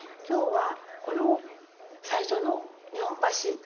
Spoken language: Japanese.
今日はこの最初の日本橋。